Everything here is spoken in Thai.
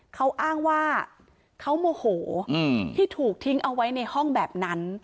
เขาอ้างว่าเขาโมโหที่ถูกทิ้งเอาไว้ในห้องแบบนั้น